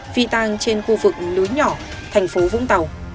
phi tang trên khu vực núi nhỏ thành phố vũng tàu